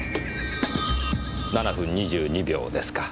７分２２秒ですか。